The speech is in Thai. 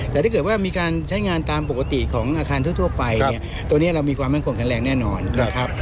แต่ถ้าเกิดว่ามีการใช้งานตามปกติของอาคารทั่วไปเนี่ยตัวนี้เรามีความมั่นคงแข็งแรงแน่นอนนะครับ